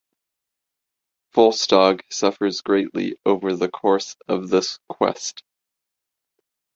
Volstagg suffers greatly over the course of this quest.